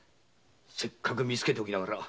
せっかく見つけておきながら。